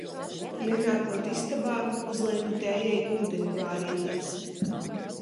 Ienākot istabā, uzlieku tējai ūdeni vārīties.